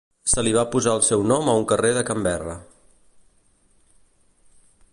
Se li va posar el seu nom a un carrer de Canberra.